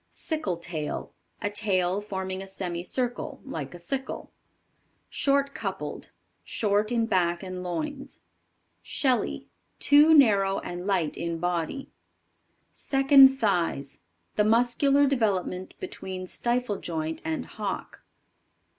Sickle tail. A tail forming a semicircle, like a sickle. Short coupled. Short in back and loins. Shelly. Too narrow and light in body. Second Thighs. The muscular development between stifle joint and hock.